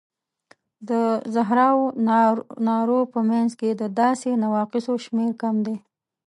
د زرهاوو نارو په منځ کې د داسې نواقصو شمېر کم دی.